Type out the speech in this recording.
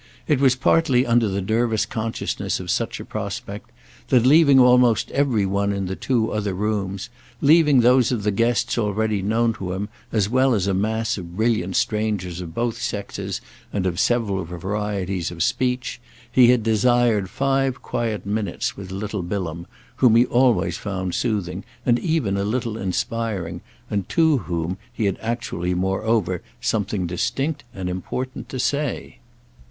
It was partly under the nervous consciousness of such a prospect that, leaving almost every one in the two other rooms, leaving those of the guests already known to him as well as a mass of brilliant strangers of both sexes and of several varieties of speech, he had desired five quiet minutes with little Bilham, whom he always found soothing and even a little inspiring, and to whom he had actually moreover something distinct and important to say.